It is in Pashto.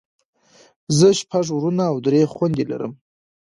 زه شپږ وروڼه او درې خويندې لرم.